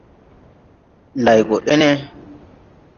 Nday gɔ ene?